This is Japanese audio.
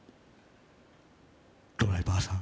ドライバーさん